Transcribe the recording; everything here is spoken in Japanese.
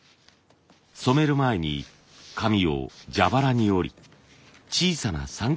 染める前に紙を蛇腹に折り小さな三角形にしておきます。